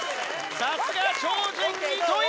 さすが超人糸井！